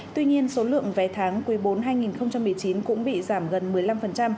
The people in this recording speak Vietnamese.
tuy nhiên số lượng vé tháng quý bốn hai nghìn một mươi chín cũng bị giảm gần một mươi năm